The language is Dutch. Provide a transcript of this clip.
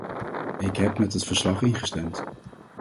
Ik heb met het verslag ingestemd.